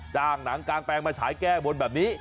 หนังกางแปลงมาฉายแก้บนแบบนี้